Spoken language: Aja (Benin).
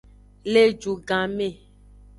Le ju gan me.